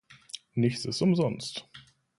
Nichts ist umsonst.